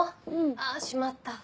あぁしまった。